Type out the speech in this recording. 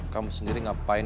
kamu sendiri ngapain di sini